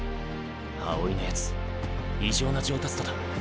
青井のやつ異常な上達度だ。